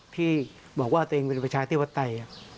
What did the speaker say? ที่บอกว่าตัวเองเป็นประชาธิปไตย